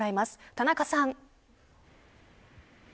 田中さん。